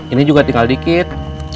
ini juga tinggal dikit